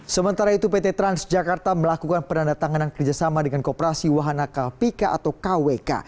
sementara itu pt transjakarta melakukan penandatanganan kerjasama dengan kooperasi wahana kpk atau kwk